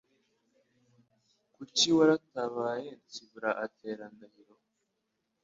kuki waratabaye Nsibura atera Ndahiro,